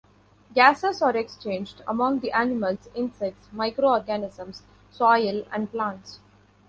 Gases are exchanged among the animals, insects, micro-organisms, soil and plants.